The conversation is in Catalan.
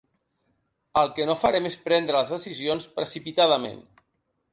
El que no farem és prendre les decisions precipitadament.